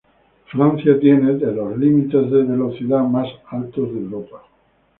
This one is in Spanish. Francia tiene entre los límites de velocidad más altos de Europa.